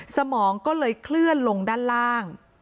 สมองก็เลยเคลื่อนลงด้านล่าง